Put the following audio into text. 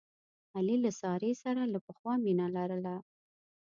علي له سارې سره له پخوا مینه لرله.